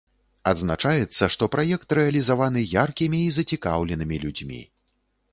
Адзначаецца, што праект рэалізаваны яркімі і зацікаўленымі людзьмі.